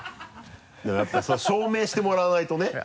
やっぱそれは証明してもらわないとね。